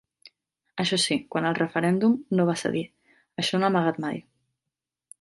Això sí, quant al referèndum no va cedir: això no ha amagat mai.